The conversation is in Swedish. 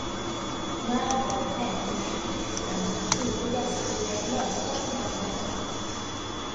När har ettårsfristen tidigast börjat löpa i detta fall?